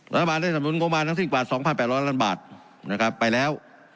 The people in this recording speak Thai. สมรุนโรงพยาบาลทั้งสิบกว่าสองพันแปดร้อนล้านบาทนะครับไปแล้ว